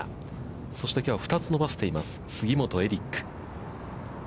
そして、きょうは２つ伸ばしています杉本エリック。